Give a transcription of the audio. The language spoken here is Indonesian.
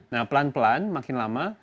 nah pelan pelan makin lama